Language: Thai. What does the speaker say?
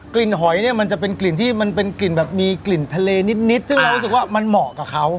หอยเนี่ยมันจะเป็นกลิ่นที่มันเป็นกลิ่นแบบมีกลิ่นทะเลนิดซึ่งเรารู้สึกว่ามันเหมาะกับเขา